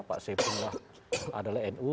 pak seyfullah adalah nu